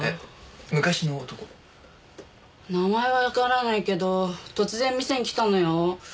名前はわからないけど突然店に来たのよ。